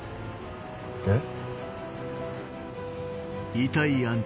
えっ？